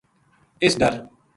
اِس ڈر